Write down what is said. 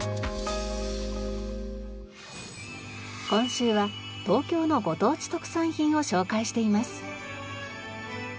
今週は東京のご当地特産品を紹介しています。